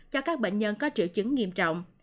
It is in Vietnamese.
cho các bệnh nhân có triệu chứng nghiêm trọng